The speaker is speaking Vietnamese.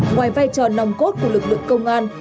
ngoài vai trò nòng cốt của lực lượng công an